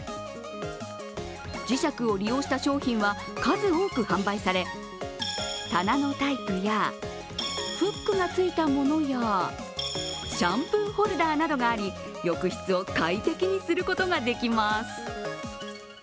磁石を利用した商品は数多く販売され棚のタイプやフックがついたものやシャンプーホルダーなどがあり、浴室を快適にすることができます。